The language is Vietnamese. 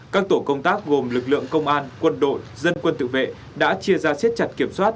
các tổ công tác gồm lực lượng công an quân đội dân quân tự vệ đã chia ra siết chặt kiểm soát